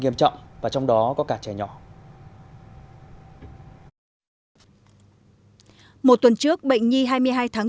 nghiêm trọng và trong đó có cả trẻ nhỏ một tuần trước bệnh nhi hai mươi hai tháng bốn